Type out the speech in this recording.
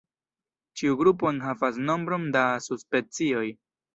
Ĉiu grupo enhavas nombron da subspecioj.